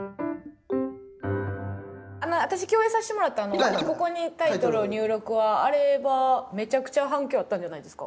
私共演させてもらった「ここにタイトルを入力」はあれはめちゃくちゃ反響あったんじゃないですか？